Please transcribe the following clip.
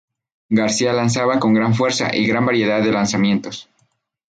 García lanzaba con gran fuerza y gran variedad de lanzamientos.